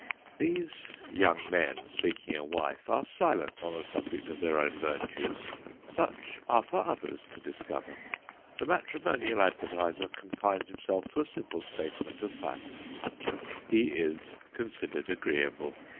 These young men seeking a wife are silent on the subject of their own virtues. Such are for others to discover. The matrimonial advertiser confines himself to a simple statement of fact: "he is considered agreeable."